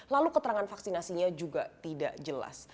lalu keterangan vaksinasinya juga tidak jelas